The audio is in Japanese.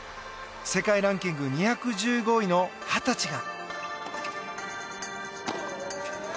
世界ランキング２１５位の二十歳が。